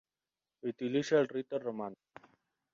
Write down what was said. Utiliza el rito romano.